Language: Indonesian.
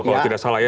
kalau tidak salah ya